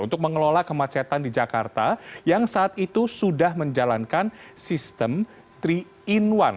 untuk mengelola kemacetan di jakarta yang saat itu sudah menjalankan sistem tiga in satu